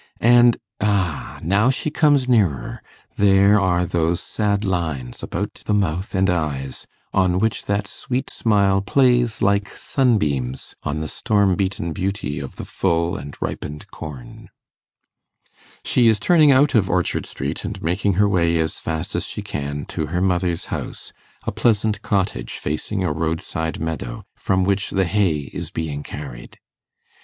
And, ah! now she comes nearer there are those sad lines about the mouth and eyes on which that sweet smile plays like sunbeams on the storm beaten beauty of the full and ripened corn. She is turning out of Orchard Street, and making her way as fast as she can to her mother's house, a pleasant cottage facing a roadside meadow, from which the hay is being carried. Mrs.